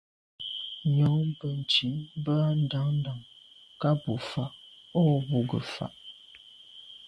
Nyòóŋ bə̀ntcìn bə́ á ndàá ndàŋ ká bù fâ’ o bù gə́ fà’.